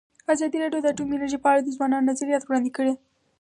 ازادي راډیو د اټومي انرژي په اړه د ځوانانو نظریات وړاندې کړي.